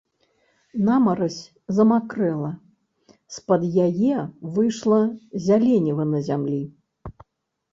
Намаразь замакрэла, з-пад яе выйшла зяленіва на зямлі.